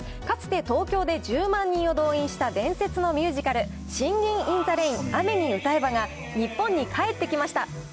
かつて東京で１０万人を動員した伝説のミュージカル、シンギン・イン・ザ・レイン・雨に唄えばが日本に帰ってきました。